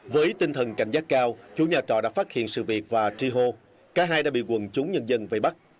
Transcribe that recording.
với tinh thần cảnh giác cao chủ nhà trọ đã phát hiện sự việc và tri hô cả hai đã bị quần chúng nhân dân vây bắt